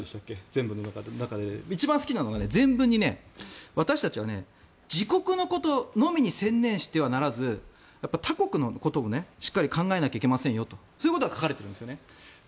前文の中で一番好きなのが前文に私たちは自国のことのみに専念してはならず他国のこともしっかり考えないといけませんとそういうことが書かれているんですね。